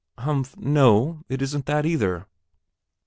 "Humph no, it isn't that either!"